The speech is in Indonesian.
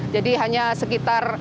jadi hanya sekitar